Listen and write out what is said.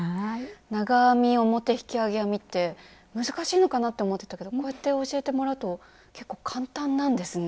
長編み表引き上げ編みって難しいのかなって思ってたけどこうやって教えてもらうと結構簡単なんですね。